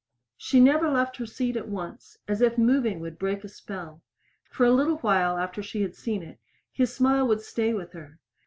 She never left her seat at once, as if moving would break a spell. For a little while after she had seen it, his smile would stay with her.